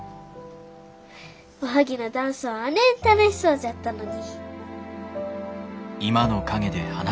おはぎのダンスはあねん楽しそうじゃったのに。